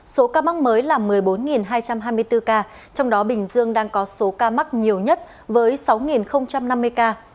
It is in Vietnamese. số ca mắc mới là một mươi bốn hai trăm hai mươi bốn ca trong đó bình dương đang có số ca mắc nhiều nhất với sáu năm mươi ca